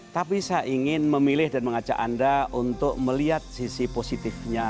tapi saya ingin memilih dan mengajak anda untuk melihat sisi positifnya